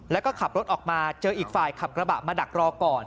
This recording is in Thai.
แล้วก็ขับรถออกมาเจออีกฝ่ายขับกระบะมาดักรอก่อน